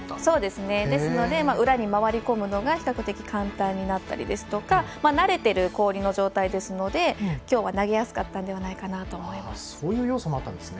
ですので、裏に回り込むのが比較的、簡単になったりですとか慣れている氷の状態ですので今日は投げやすかったのではないかなと思います。